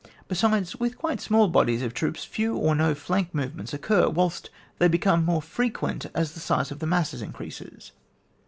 Besides, vrith quite small bodies of troops few or no flank movements occur, whilst they become more frequent as the size of the masses increases.